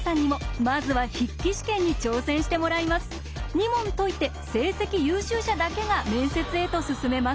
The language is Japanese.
２問解いて成績優秀者だけが面接へと進めます。